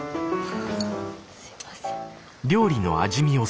すいません。